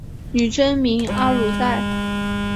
女真名阿鲁带。